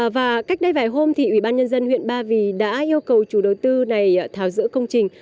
và cách đây vài hôm thì ủy ban nhân dân huyện ba vì đã yêu cầu chủ đầu tư này tháo rỡ công trình